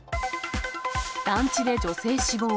団地で女性死亡。